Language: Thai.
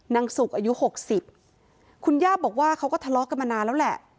นางสุกอายุหกสิบคุณย่าบอกว่าเขาก็ทะเลาะกันมานานแล้วแหละ